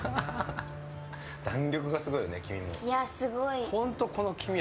弾力がすごいよね、黄身も。